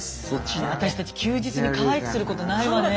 私たち休日にかわいくすることないわね。